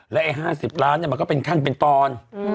และไอ้๕๐ล้านก็เป็นขั้นเป็นตอน